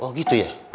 oh gitu ya